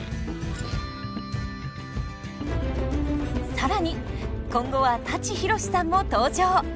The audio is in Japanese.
更に今後は舘ひろしさんも登場。